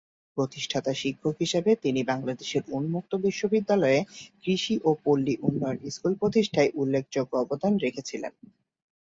প্রতিষ্ঠাতা শিক্ষক হিসাবে তিনি বাংলাদেশ উন্মুক্ত বিশ্ববিদ্যালয়ে কৃষি ও পল্লী উন্নয়ন স্কুল প্রতিষ্ঠায় উল্লেখযোগ্য অবদান রেখেছিলেন।